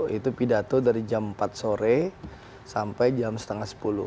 itu pidato dari jam empat sore sampai jam setengah sepuluh